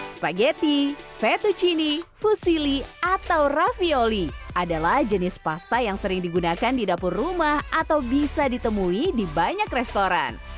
spaghetti fetucini fus sili atau ravioli adalah jenis pasta yang sering digunakan di dapur rumah atau bisa ditemui di banyak restoran